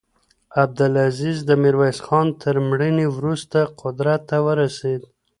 عبدالعزیز د میرویس خان تر مړینې وروسته قدرت ته ورسېد.